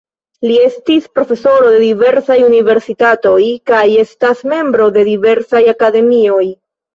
Li estis profesoro de diversaj universitatoj kaj estas membro de diversaj akademioj.